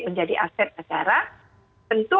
menjadi aset negara tentu